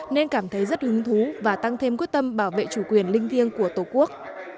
nên cảm thấy rất hứng thú và tăng thêm quyết tâm bảo vệ chủ quyền linh thiêng của tổ quốc